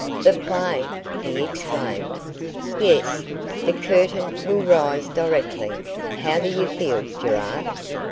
"The play!" he exclaimed. "Yes; the curtain will rise directly. How do you feel, Gerard?"